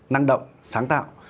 năng động sáng tạo